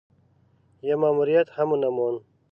يو ماموريت هم ونه موند.